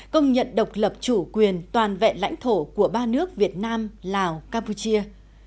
công nhận độc lập chủ quyền toàn vẹn lãnh thổ của ba nước việt nam lào campuchia